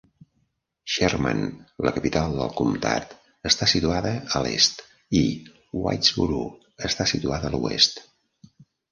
Sherman, la capital del comtat, està situada a l'est, i Whitesboro està situada a l'oest.